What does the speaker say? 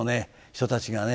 人たちがね